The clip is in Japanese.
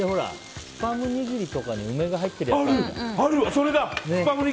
スパム握りとかに梅が入ってるやつあるじゃん。